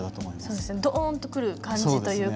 そうですねドーンとくる感じというか。